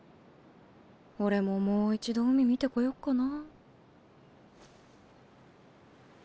俺ももう一度海見てこよっかな。